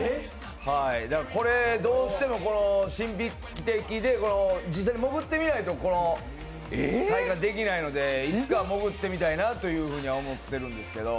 これ、どうしても神秘的で実際に潜ってみないとこの体験できないのでいつかは潜ってみたいなというふうには思ってるんですけど。